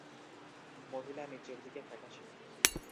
মহিলা নীচের দিকে ফ্যাকাশে।